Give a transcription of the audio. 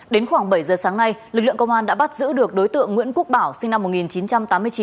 đến khoảng bảy giờ sáng nay lực lượng công an đã bắt giữ được đối tượng nguyễn quốc bảo sinh năm một nghìn chín trăm tám mươi chín